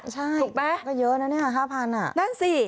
ใช่ก็เยอะนะนี่ค่ะ๕๐๐๐บาทนั่นสิถูกไหมนั่นสิ